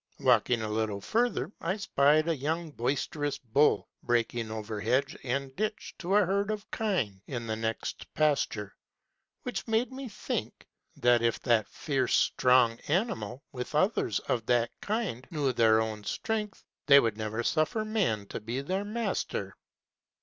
Walking a little further I spied a young boisterous Bull breaking over hedge and ditch to a herd of Kine in the next Pasture; which made me think, that if that fierce, strong Animal, with others of that kind, knew their own strength, they would never suffer Man to be their master.